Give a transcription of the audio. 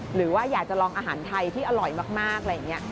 หรือว่าอยากจะลองอาหารไทยที่อร่อยมากอะไรอย่างนี้